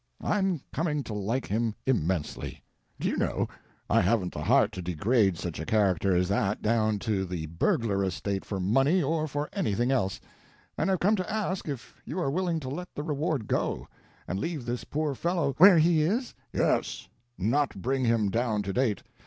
I'm coming to like him immensely. Do you know, I haven't the heart to degrade such a character as that down to the burglar estate for money or for anything else; and I've come to ask if you are willing to let the reward go, and leave this poor fellow— "Where he is?" "Yes—not bring him down to date."